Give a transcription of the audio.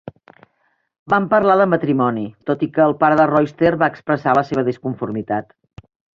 Van parlar de matrimoni, tot i que el pare de Royster va expressar la seva disconformitat.